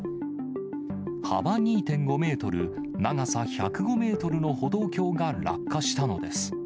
幅２．５メートル、長さ１０５メートルの歩道橋が落下したのです。